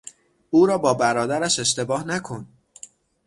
او را با برادرش اشتباه نکن!